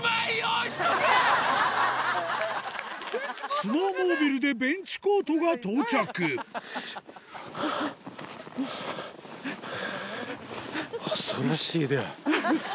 スノーモービルでベンチコートが到着ハァハァハァ。